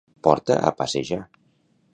Portar a passejar.